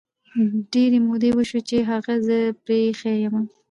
ډیري مودې وشوی چې هغه زه پری ایښي یمه